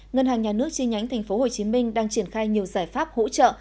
ngân hàng nhà nước chi nhánh tp hcm đang triển khai nhiều giải pháp hỗ trợ